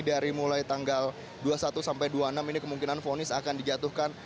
dari mulai tanggal dua puluh satu sampai dua puluh enam ini kemungkinan fonis akan dijatuhkan